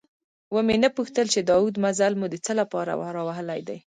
ومې نه پوښتل چې دا اوږد مزل مو د څه له پاره راوهلی دی؟